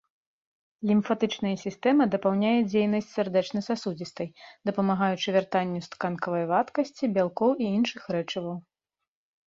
Лімфатычная сістэма дапаўняе дзейнасць сардэчна-сасудзістай, дапамагаючы вяртанню з тканкавай вадкасці бялкоў і іншых рэчываў.